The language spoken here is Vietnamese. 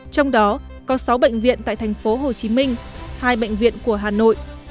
trong đó có sáu bệnh viện tại thành phố hồ chí minh hai bệnh viện của hà nội